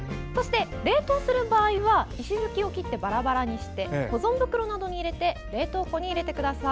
冷凍する場合は石づきを切ってバラバラにして保存袋などに入れて冷凍庫に入れてください。